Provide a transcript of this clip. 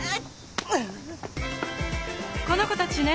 この子たちね？